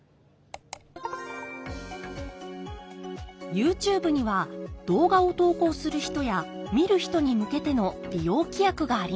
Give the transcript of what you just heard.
ＹｏｕＴｕｂｅには動画を投稿する人や見る人に向けての利用規約があります。